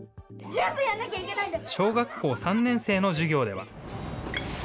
小学校３年生の授業では。